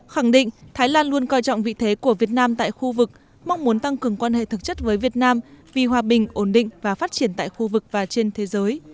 khẳng định thái lan luôn coi trọng vị thế của việt nam tại khu vực mong muốn tăng cường quan hệ thực chất với việt nam vì hòa bình ổn định và phát triển tại khu vực và trên thế giới